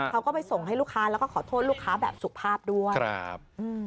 เขาก็ไปส่งให้ลูกค้าแล้วก็ขอโทษลูกค้าแบบสุภาพด้วยครับอืม